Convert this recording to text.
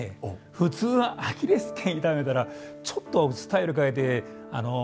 普通アキレス腱痛めたらちょっとスタイル変えてあのね